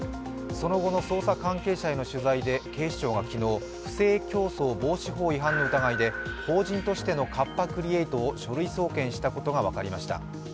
その後の捜査関係者への取材で警視庁が昨日、不正競争防止法違反の疑いで法人としてのカッパ・クリエイトを書類送検したことが分かりました。